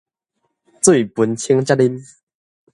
水歕清才啉